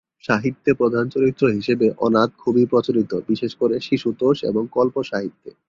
সাহিত্যে প্রধান চরিত্র হিসেবে অনাথ খুবই প্রচলিত, বিশেষ করে শিশুতোষ এবং কল্প সাহিত্যে।